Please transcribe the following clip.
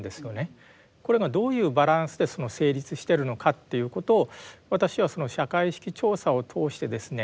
これがどういうバランスで成立してるのかっていうことを私はその社会意識調査を通してですね